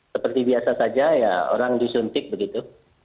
seperti biasa saja ya orang disuntik begitu